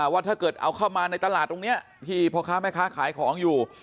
ว่าถ้าเกิดเอาเข้ามาในตลาดตรงนี้ที่พ่อค้าแม่ค้าขายของอยู่